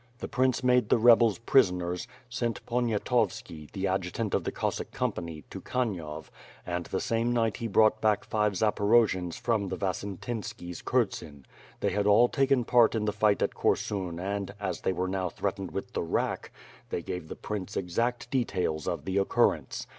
The prince made the rebels prisoners, sent Poniatovski, the adjutant of the Cossack company, to Kanyov; and the same night he brought back five Zaporojians from the Vasyntynski's kurzen. They had all taken part in the fight at Korsun and, as they were now threatened with the rack, they gave the prince exact WITH FIRE AND SWORD. 307 details of the occurrence.